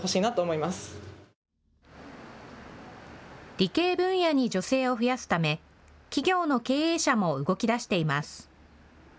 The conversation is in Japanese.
理系分野に女性を増やすため企業の経営者も動きだしています。